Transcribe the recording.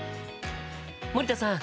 森田さん